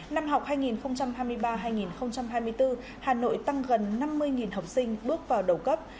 năm học hai nghìn hai mươi ba hai nghìn hai mươi bốn hà nội tăng gần năm mươi học sinh bước vào đầu cấp